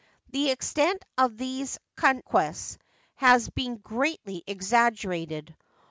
The extent of these conquests has been greatly exagger ated.